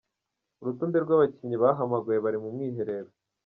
Urutonde rw’abakinnyi bahamagawe bari mu mwiherero.